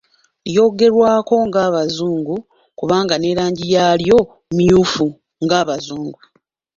Lyogerwako ng'Abazungu kubanga ne langi yaalyo “mmyufu” nga Abazungu